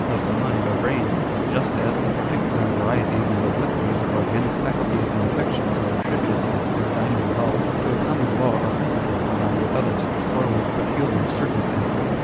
of the mind or brain; just as the particular varieties and obliquities of organic faculties and affections are attributed by Spurzheim and Gall to a common law or principle combined with others, or with peculiar circumstances.